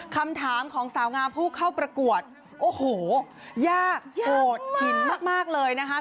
คำถามของสาวงามผู้เข้าประกวดโอ้โหยากโหดหินมากเลยนะคะ